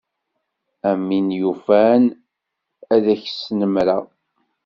A win yufan ad k-snemmreɣ.